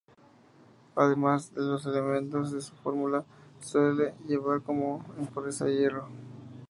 Además de los elementos de su fórmula, suele llevar como impureza hierro.